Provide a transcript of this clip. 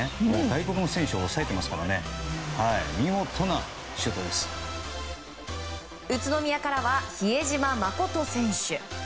外国の選手を押さえてますから宇都宮からは比江島慎選手。